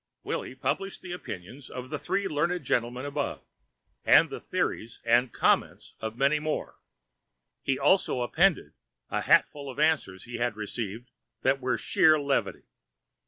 Willy published the opinions of the three learned gentlemen above, and the theories and comments of many more. He also appended a hatful of answers he had received that were sheer levity.